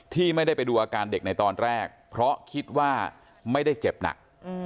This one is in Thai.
ที่ไม่ได้ไปดูอาการเด็กในตอนแรกเพราะคิดว่าไม่ได้เจ็บหนัก